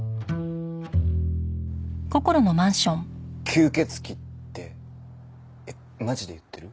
吸血鬼ってえっマジで言ってる？